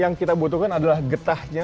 yang kita butuhkan adalah getahnya